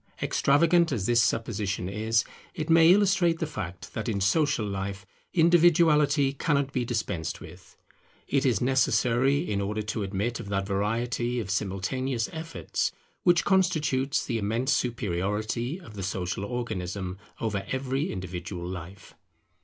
Extravagant as this supposition is, it may illustrate the fact that in social life individuality cannot be dispensed with. It is necessary in order to admit of that variety of simultaneous efforts which constitutes the immense superiority of the Social Organism over every individual life.